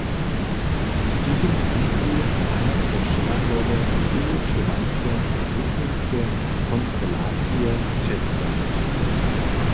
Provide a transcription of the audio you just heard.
W tutym zwisku maja so wšelakore wuwučowanske a wuknjenske konstelacije předstajić.